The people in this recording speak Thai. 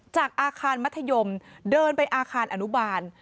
จากอาคารมัธยมเดินไปอาคารอนุบาล